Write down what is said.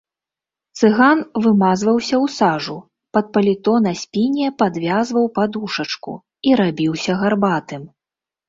Цыган вымазваўся ў сажу, пад паліто на спіне падвязваў падушачку і рабіўся гарбатым.